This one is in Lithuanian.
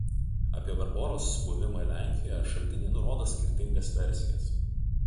Apie Barboros buvimą Lenkijoje šaltiniai nurodo skirtingas versijas.